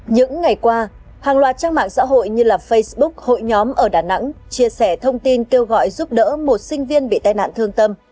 những ngày qua hàng loạt trang mạng xã hội như facebook hội nhóm ở đà nẵng chia sẻ thông tin kêu gọi giúp đỡ một sinh viên bị tai nạn thương tâm